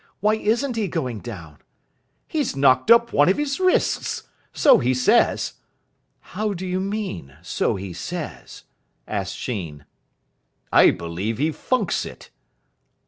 Why isn't he going down?" "He's knocked up one of his wrists. So he says." "How do you mean so he says?" asked Sheen. "I believe he funks it."